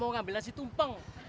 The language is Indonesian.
saya mau ambil nasi tumpeng